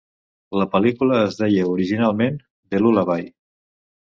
La pel·lícula es deia originalment "The Lullaby".